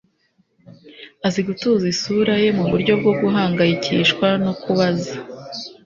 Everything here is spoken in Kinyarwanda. azi gutuza isura ye muburyo bwo guhangayikishwa no kubaza